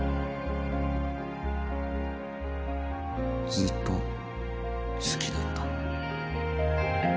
ずっと好きだった。